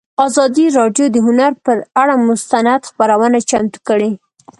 ازادي راډیو د هنر پر اړه مستند خپرونه چمتو کړې.